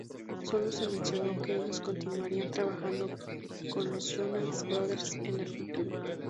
Sólo se mencionó que ellos continuarían trabajando con los Jonas Brothers en el futuro.